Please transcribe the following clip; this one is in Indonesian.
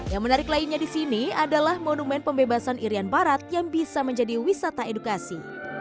yang menarik lainnya di sini adalah monumen pembebasan irian barat yang bisa menjadi wisata edukasi